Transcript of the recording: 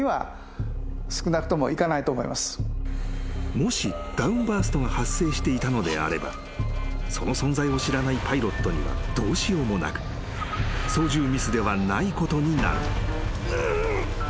［もしダウンバーストが発生していたのであればその存在を知らないパイロットにはどうしようもなく操縦ミスではないことになる］